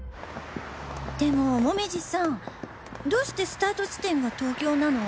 でも紅葉さんどうしてスタート地点が東京なの？